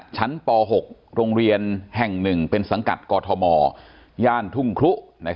ป๖โรงเรียนแห่ง๑เป็นสังกัดกอทมย่านทุ่งครุ